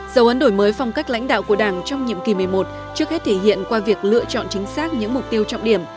dấu ấn đổi mới phong cách lãnh đạo của đảng trong nhiệm kỳ một mươi một trước hết thể hiện qua việc lựa chọn chính xác những mục tiêu trọng điểm